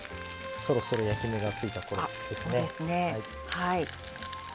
そろそろ焼き目がついたころですね。